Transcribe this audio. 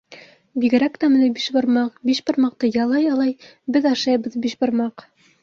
Бигерәк тәмле бишбармаҡ, Биш бармаҡты ялай-ялай Беҙ ашайбыҙ бишбармаҡ!